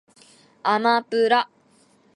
あまぷら